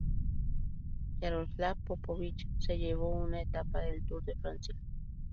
Yaroslav Popovich se llevó una etapa del Tour de Francia.